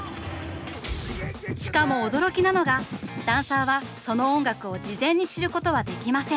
しかも驚きなのがダンサーはその音楽を事前に知ることはできません。